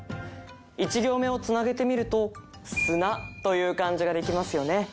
１行目をつなげてみると「砂」という漢字ができますよね